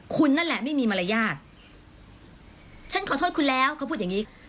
คุณนั่นแหละไม่มีมารยาทฉันขอโทษคุณแล้วเขาพูดอย่างงี้